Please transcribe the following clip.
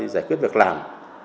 giải quyết việc làm